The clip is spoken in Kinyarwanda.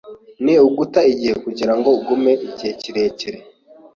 Ni uguta igihe kugirango ugume igihe kirekire.